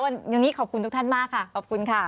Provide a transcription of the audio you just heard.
วันนี้ขอบคุณทุกท่านมากค่ะขอบคุณค่ะ